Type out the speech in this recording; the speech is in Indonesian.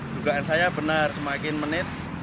dugaan saya benar semakin menit